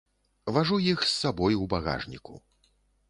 Важу іх з сабой у багажніку.